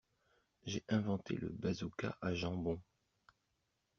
J'ai inventé le bazooka à jambon.